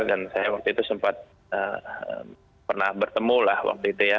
dan saya waktu itu sempat pernah bertemu lah waktu itu ya